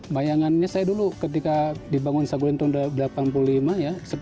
bayangannya saya dulu ketika dibangun saguling tahun seribu sembilan ratus delapan puluh lima ya